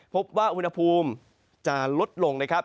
พบว่าอุณหภูมิจะลดลงนะครับ